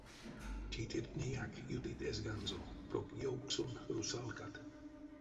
Тейтертнеяк ютыть эзганзо, прок ёвксонь русалкат.